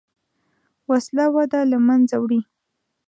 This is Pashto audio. وسله وده له منځه وړي